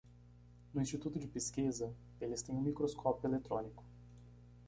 No instituto de pesquisa, eles têm um microscópio eletrônico.